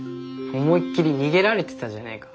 思いっきり逃げられてたじゃねえか。